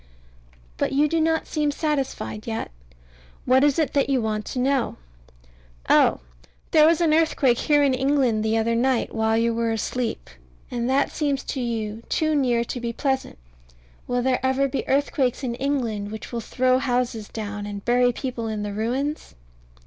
But you do not seem satisfied yet? What is it that you want to know? Oh! There was an earthquake here in England the other night, while you were asleep; and that seems to you too near to be pleasant. Will there ever be earthquakes in England which will throw houses down, and bury people in the ruins?